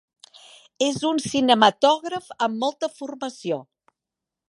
És un cinematògraf amb molta formació.